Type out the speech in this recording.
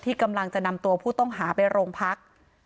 กำลังจะนำตัวผู้ต้องหาไปโรงพัก